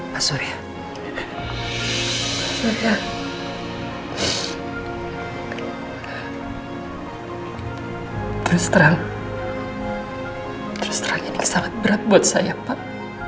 pak surya terus terang terus terang ini sangat berat buat saya pak